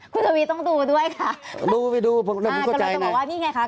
คุณทวีต้องดูด้วยค่ะรู้ไปดูแล้วคุณเข้าใจไง